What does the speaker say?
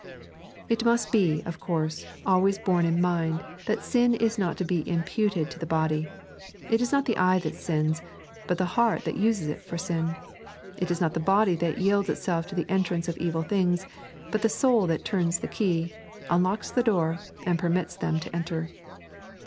It must be, of course, always borne in mind that Hn ia iu>i to be viMpvied to the body. It is not the eye that sins, but the heart that uses it for its sin. It is not the body that yields itself to the entrance of evil things, but the soul that turns the key, unlocks the door, and permits them to enter.